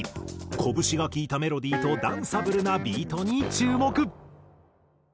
こぶしがきいたメロディーとダンサブルなビートに注目。